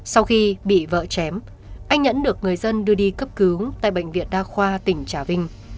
sau khi bị vợ chém anh nhẫn được người dân đưa đi cấp cứu tại bệnh viện đa khoa tỉnh trà vinh